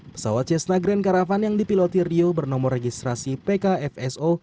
pesawat cessna grand karavan yang dipiloti rio bernomor registrasi pkfso